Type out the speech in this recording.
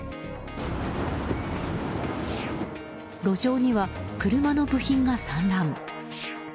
路上には、車の部品が散乱。